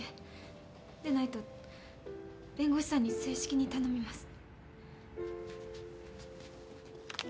でないと弁護士さんに正式に頼みます。